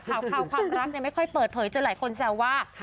ข่าวความรักไม่ค่อยเปิดเผยจนหลายคนแซวว่า